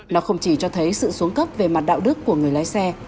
nó không chỉ cho thấy sự xuống cấp về mặt đạo đức của người lái xe